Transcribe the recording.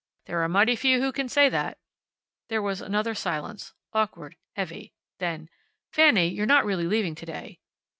There are mighty few who can say that." There was another silence, awkward, heavy. Then, "Fanny, you're not really leaving to day?"